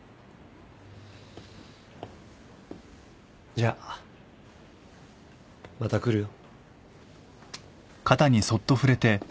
じゃあまた来るよ。